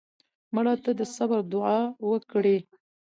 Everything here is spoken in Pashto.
مړه ته د صبر دوعا وکړې